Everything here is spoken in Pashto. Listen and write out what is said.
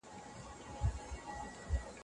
حضوري زده کړه د بدن ژبي تشريحات وړاندې کړل.